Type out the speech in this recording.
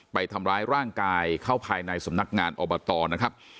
ไปทำร้ายร่างกายเข้าภายในสำนักงานอบตนะครับ